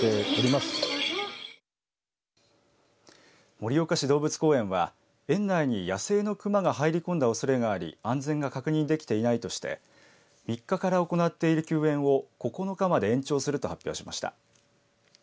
盛岡市動物公園は園内に野生の熊が入り込んだおそれがあり安全が確認できていないとして３日から行っている休園を９日まで延長すると発表しました。